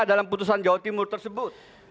dalam putusan jawa timur tersebut